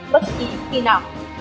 bất kỳ khi nào